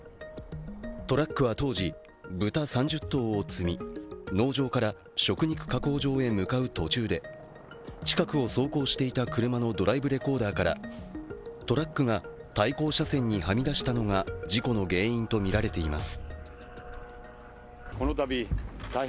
トラックは当時、豚３０頭を積み農場から食肉加工場に向かう途中で近くを走行していた車のドライブレコーダーからトラックが対向車線にはみ出したのが事故の原因とみられています。